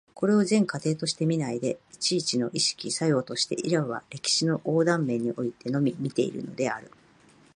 これを全過程として見ないで、一々の意識作用として、いわば歴史の横断面においてのみ見ているのである。